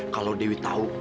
kalo dewi tau